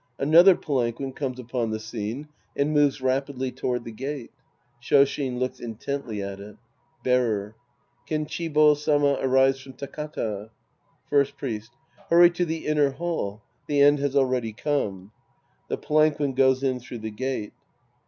(Another palanquin comes upon the scene and moves rapidly toward the gate. ShSshin looks intently at it.) Bearer. Kenchibo Sama arrives from Takata. First Priest. Hurry to the inner hall. The end has already come. {The palanquin goes in through the gate.)